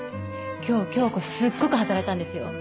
今日響子すっごく働いたんですよ。